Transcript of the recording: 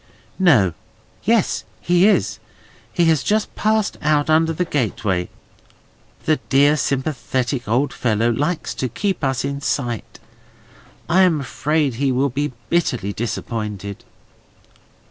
"No. Yes, he is! He has just passed out under the gateway. The dear, sympathetic old fellow likes to keep us in sight. I am afraid he will be bitterly disappointed!"